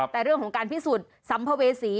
แต่เรื่องของการพิสูจน์สัมภเวษี